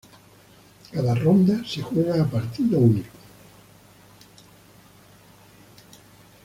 Cada ronda se juega a partido único.